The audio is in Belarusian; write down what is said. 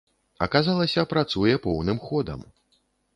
Аказалася, працуе поўным ходам.